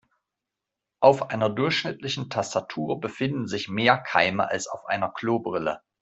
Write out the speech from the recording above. Auf einer durchschnittlichen Tastatur befinden sich mehr Keime als auf einer Klobrille.